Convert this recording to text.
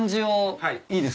はい。